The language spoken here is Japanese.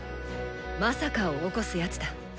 「まさか」を起こすやつだ。